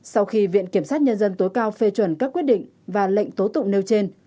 sau khi viện kiểm sát nhân dân tối cao phê chuẩn các quyết định và lệnh tố tụng nêu trên